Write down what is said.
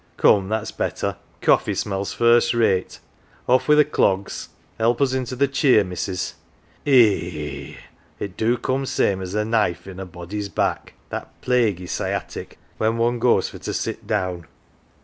Come, that's better ! Coffee smells first rate. Off wi' th' clogs ! Help us into the cheer, missus ; e e eh, it do come same as a knife in a body's back, that plaguey sciatic' when one goes for to sit down.